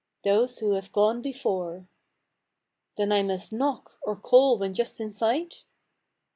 " Those who have gone before !"" Then must I knock, or call when just in sight?